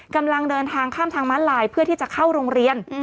กำลังเดินทางข้ามทางม้าลายเพื่อที่จะเข้าโรงเรียน